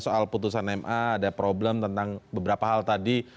soal putusan ma ada problem tentang beberapa hal tadi